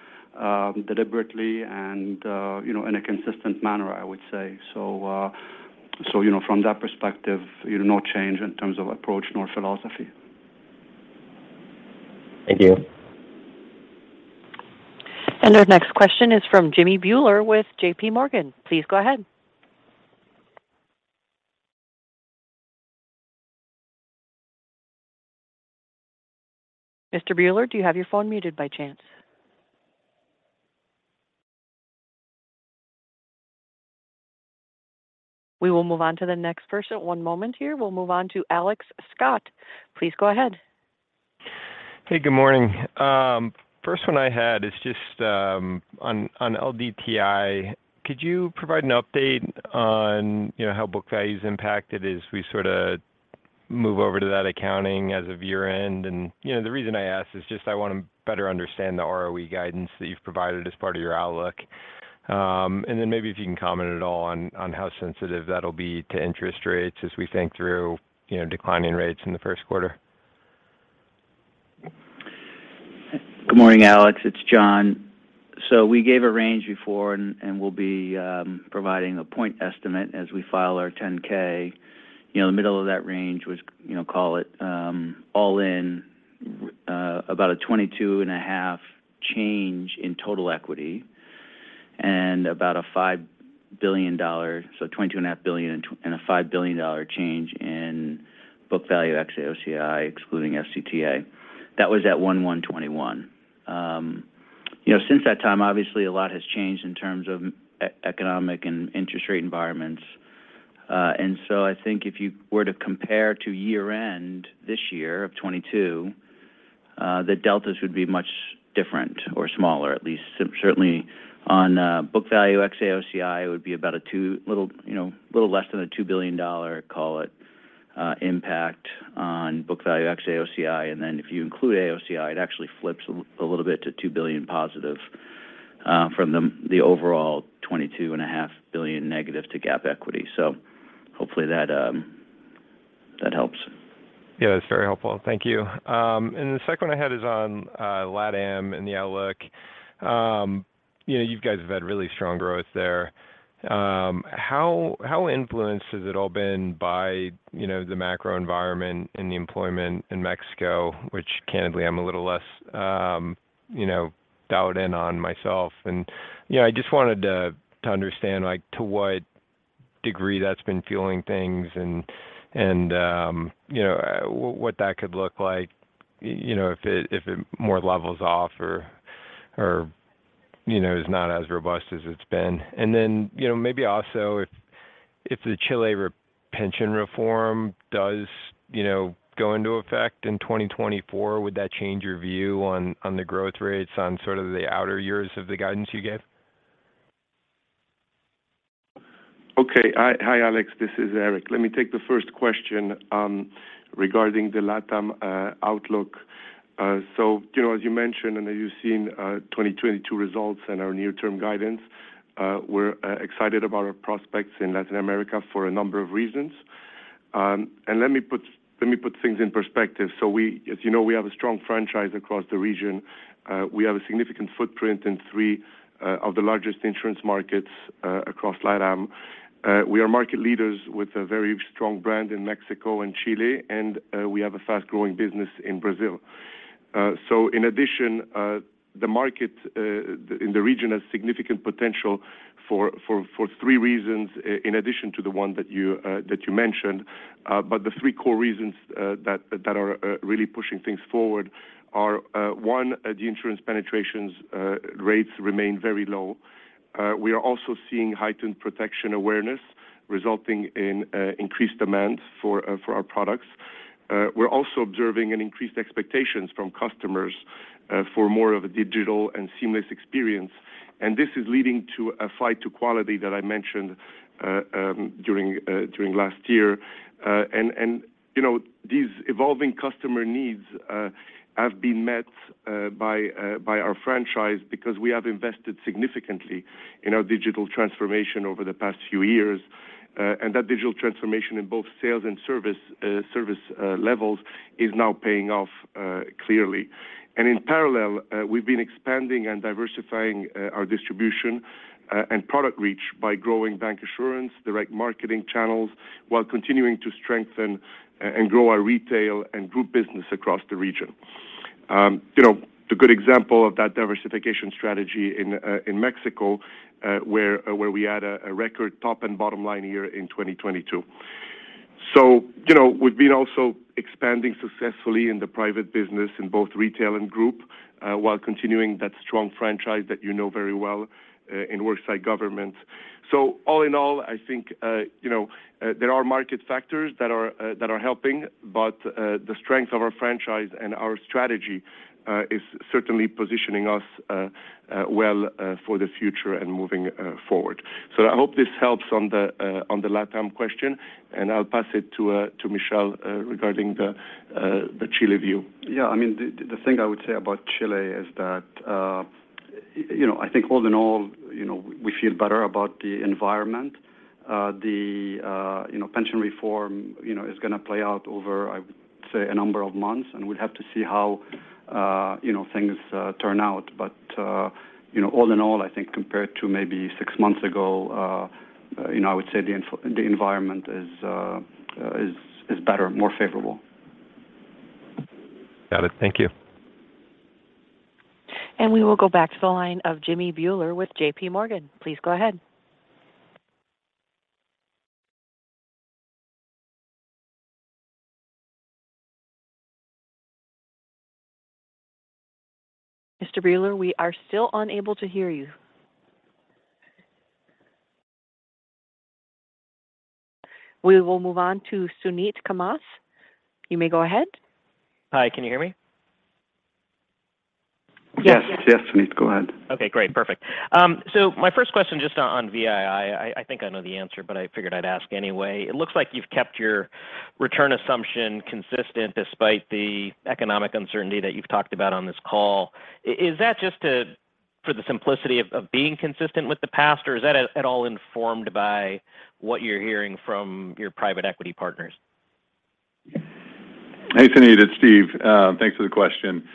deliberately and, you know, in a consistent manner, I would say. You know, from that perspective, you know, no change in terms of approach nor philosophy. Thank you. Our next question is from Jimmy Bhullar with JPMorgan. Please go ahead. Mr. Bhullar, do you have your phone muted by chance? We will move on to the next person. One moment here. We'll move on to Alex Scott. Please go ahead. Hey, good morning. First one I had is just, on LDTI. Could you provide an update on, you know, how book value's impacted as we sorta move over to that accounting as of year-end? You know, the reason I ask is just I wanna better understand the ROE guidance that you've provided as part of your outlook. Maybe if you can comment at all on how sensitive that'll be to interest rates as we think through, you know, declining rates in the first quarter. Good morning, Alex. It's John. We gave a range before and we'll be providing a point estimate as we file our 10-K. You know, the middle of that range was, you know, call it, all in, about a $22.5 billion change in total equity and about a $5 billion dollar, so $22.5 billion and a $5 billion dollar change in book value excluding AOCI, excluding FCTA. That was at 1/1/2021. You know, since that time, obviously a lot has changed in terms of economic and interest rate environments. I think if you were to compare to year-end this year of 2022, the deltas would be much different or smaller, at least. Certainly on book value excluding AOCI, it would be about a two little, you know, little less than a $2 billion, call it, impact on book value excluding AOCI. If you include AOCI, it actually flips a little bit to $2 billion positive from the overall $22.5 billion negative to GAAP equity. Hopefully that helps. Yeah, that's very helpful. Thank you. The second one I had is on LatAm and the outlook. You know, you guys have had really strong growth there. How, how influenced has it all been by, you know, the macro environment and the employment in Mexico, which candidly I'm a little less, you know, dialed in on myself? You know, I just wanted to understand, like, to what degree that's been fueling things and, you know, what that could look like, you know, if it more levels off or, you know, is not as robust as it's been? Then, you know, maybe also if the Chile re-pension reform does, you know, go into effect in 2024, would that change your view on the growth rates on sort of the outer years of the guidance you gave? Okay. Hi Alex, this is Erik. Let me take the first question regarding the LatAm outlook. You know, as you mentioned, and as you've seen, 2022 results and our near-term guidance, we're excited about our prospects in Latin America for a number of reasons. Let me put things in perspective. We, as you know, we have a strong franchise across the region. We have a significant footprint in three of the largest insurance markets across LatAm. We are market leaders with a very strong brand in Mexico and Chile, we have a fast-growing business in Brazil. In addition, the market in the region has significant potential for three reasons in addition to the one that you that you mentioned. The three core reasons that are really pushing things forward are one, the insurance penetrations rates remain very low. We are also seeing heightened protection awareness resulting in increased demand for our products. We're also observing an increased expectations from customers for more of a digital and seamless experience, and this is leading to a fight to quality that I mentioned during last year. You know, these evolving customer needs have been met by our franchise because we have invested significantly in our digital transformation over the past few years. That digital transformation in both sales and service levels is now paying off clearly. In parallel, we've been expanding and diversifying our distribution and product reach by growing bancassurance, direct marketing channels while continuing to strengthen and grow our retail and group business across the region. You know, the good example of that diversification strategy in Mexico, where we had a record top and bottom line year in 2022. You know, we've been also expanding successfully in the private business in both retail and group, while continuing that strong franchise that you know very well in worksite government. All in all, I think, you know, there are market factors that are helping, but the strength of our franchise and our strategy is certainly positioning us well for the future and moving forward. I hope this helps on the, on the LatAm question, and I'll pass it to Michel, regarding the Chile view. Yeah. I mean, the thing I would say about Chile is that, you know, I think all in all, you know, we feel better about the environment. The, you know, pension reform, you know, is gonna play out over, I would say, a number of months, and we'd have to see how, you know, things turn out. You know, all in all, I think compared to maybe six months ago, you know, I would say the environment is better, more favorable. Got it. Thank you. We will go back to the line of Jimmy Bhullar with JPMorgan. Please go ahead. Mr. Bhullar, we are still unable to hear you. We will move on to Suneet Kamath. You may go ahead. Hi, can you hear me? Yes. Yes. Yes, Suneet, go ahead. Okay, great. Perfect. My first question just on VII. I think I know the answer, but I figured I'd ask anyway. It looks like you've kept your return assumption consistent despite the economic uncertainty that you've talked about on this call. Is that just for the simplicity of being consistent with the past, or is that at all informed by what you're hearing from your private equity partners? Hey, Suneet, it's Steve. Thanks for the question.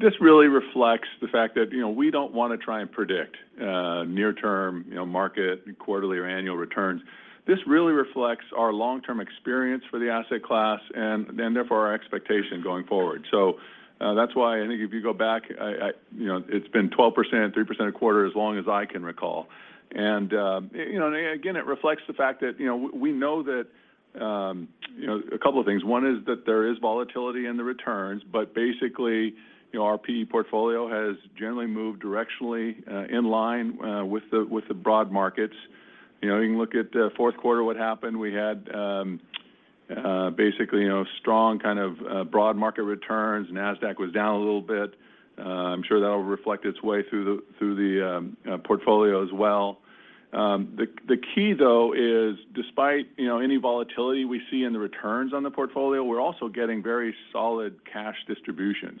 This really reflects the fact that, you know, we don't wanna try and predict, near-term, you know, market quarterly or annual returns. This really reflects our long-term experience for the asset class and, therefore our expectation going forward. That's why I think if you go back, I, you know, it's been 12%, 3% a quarter as long as I can recall. Again, it reflects the fact that, you know, we know that, you know, a couple of things. One is that there is volatility in the returns, but basically, you know, our PE portfolio has generally moved directionally, in line, with the, with the broad markets. You know, you can look at, fourth quarter, what happened. We had, basically, you know, strong kind of broad market returns. Nasdaq was down a little bit. I'm sure that'll reflect its way through the, through the portfolio as well. The key though is despite, you know, any volatility we see in the returns on the portfolio, we're also getting very solid cash distributions.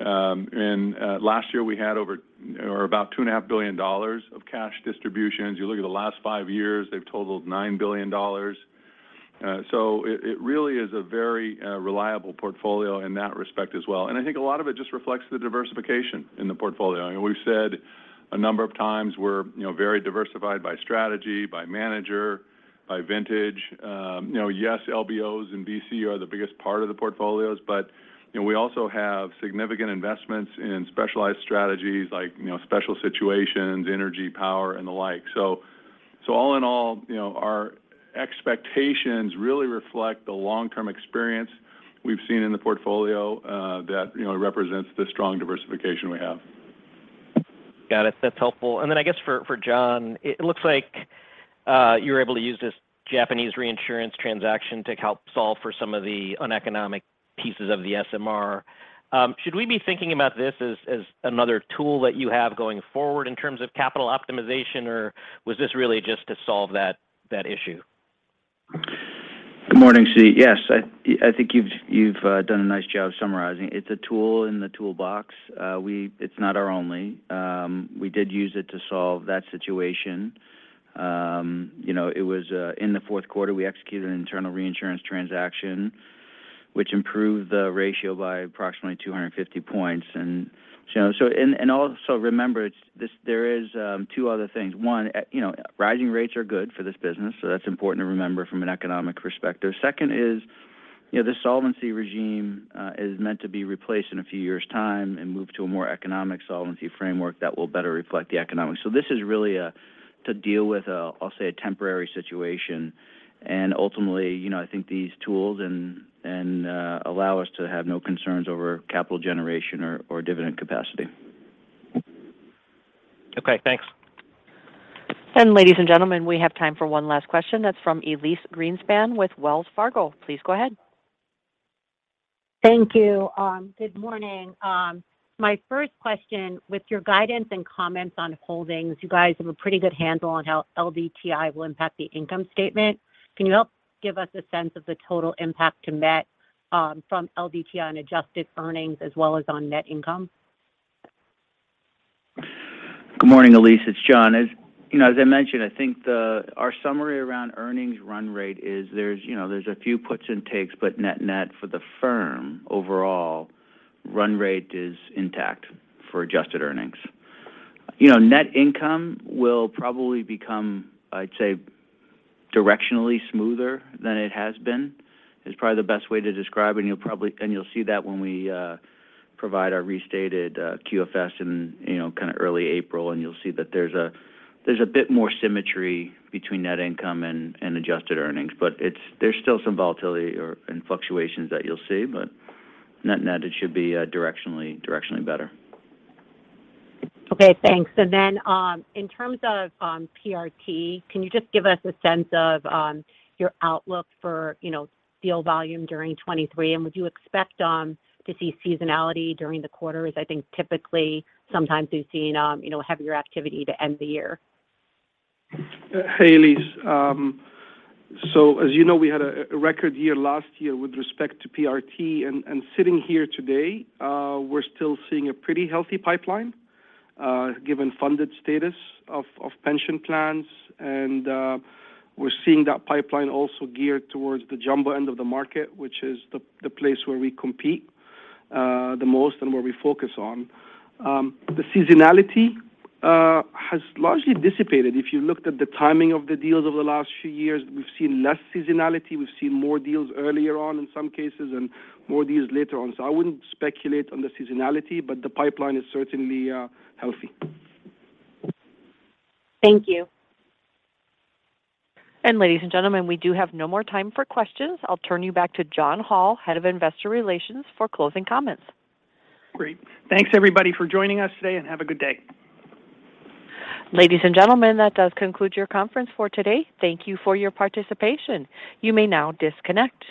Last year we had over or about $2.5 billion of cash distributions. You look at the last five years, they've totaled $9 billion. It really is a very reliable portfolio in that respect as well. I think a lot of it just reflects the diversification in the portfolio. You know, we've said a number of times we're, you know, very diversified by strategy, by manager, by vintage. You know, yes, LBOs and VC are the biggest part of the portfolios, but, you know, we also have significant investments in specialized strategies like, you know, special situations, energy, power, and the like. All in all, you know, our expectations really reflect the long-term experience we've seen in the portfolio, that, you know, represents the strong diversification we have. Got it. That's helpful. Then I guess for John, it looks like you were able to use this Japanese reinsurance transaction to help solve for some of the uneconomic pieces of the SMR. Should we be thinking about this as another tool that you have going forward in terms of capital optimization, or was this really just to solve that issue? Good morning, Suneet. Yes, I think you've done a nice job summarizing. It's a tool in the toolbox. It's not our only. We did use it to solve that situation. You know, it was in the fourth quarter, we executed an internal reinsurance transaction, which improved the ratio by approximately 250 points. You know, also remember it's this, there is two other things. One, you know, rising rates are good for this business, so that's important to remember from an economic perspective. Second is, you know, this solvency regime is meant to be replaced in a few years' time and move to a more economic solvency framework that will better reflect the economics. This is really to deal with a, I'll say a temporary situation. ultimately, you know, I think these tools and allow us to have no concerns over capital generation or dividend capacity. Okay, thanks. Ladies and gentlemen, we have time for one last question. That's from Elyse Greenspan with Wells Fargo. Please go ahead. Thank you. Good morning. My first question, with your guidance and comments on holdings, you guys have a pretty good handle on how LDTI will impact the income statement. Can you help give us a sense of the total impact to net, from LDTI on adjusted earnings as well as on net income? Good morning, Elyse. It's John. You know, as I mentioned, I think the, our summary around earnings run rate is there's, you know, there's a few puts and takes, but net net for the firm overall run rate is intact for adjusted earnings. You know, net income will probably become, I'd say, directionally smoother than it has been, is probably the best way to describe it. You'll see that when we provide our restated QFS in, you know, kinda early April, and you'll see that there's a, there's a bit more symmetry between net income and adjusted earnings. It's, there's still some volatility or, and fluctuations that you'll see, but net net, it should be directionally better. Okay, thanks. In terms of PRT, can you just give us a sense of your outlook for, you know, deal volume during 2023? Would you expect to see seasonality during the quarters? I think typically, sometimes we've seen, you know, heavier activity to end the year. Hey, Elyse. As you know, we had a record year last year with respect to PRT. Sitting here today, we're still seeing a pretty healthy pipeline given funded status of pension plans. We're seeing that pipeline also geared towards the jumbo end of the market, which is the place where we compete the most and where we focus on. The seasonality has largely dissipated. If you looked at the timing of the deals over the last few years, we've seen less seasonality. We've seen more deals earlier on in some cases and more deals later on. I wouldn't speculate on the seasonality, but the pipeline is certainly healthy. Thank you. Ladies and gentlemen, we do have no more time for questions. I'll turn you back to John Hall, head of investor relations, for closing comments. Great. Thanks, everybody, for joining us today, and have a good day. Ladies and gentlemen, that does conclude your conference for today. Thank you for your participation. You may now disconnect.